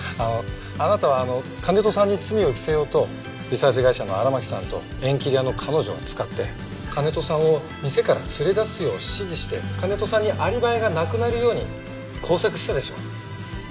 あなたは金戸さんに罪を着せようとリサーチ会社の荒巻さんと縁切り屋の彼女を使って金戸さんを店から連れ出すよう指示して金戸さんにアリバイがなくなるように工作したでしょ？